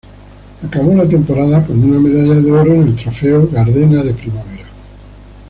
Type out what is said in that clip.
Acabó la temporada con una medalla de oro en el Trofeo Gardena de Primavera.